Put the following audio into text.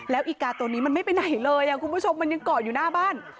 แล้วอีกาตัวนี้มันไม่ไปไหนเลยคุณผู้ชมมันยังเกาะอยู่หน้าบ้าน